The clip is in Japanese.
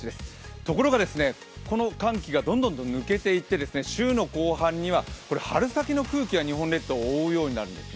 ところが、この寒気がどんどんと抜けていって週の後半には春先の空気が日本列島を覆うようになります。